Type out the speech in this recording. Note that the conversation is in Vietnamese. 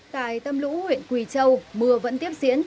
tại tâm lũ huyện quỳ châu mưa vẫn tiếp diễn